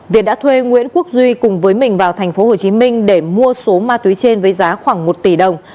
việt đã thuê nguyễn quốc duy cùng với mình vào tp hcm để mua số ma túy trên với giá khoảng một tỷ đồng